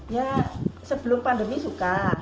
ya sebelum pandemi suka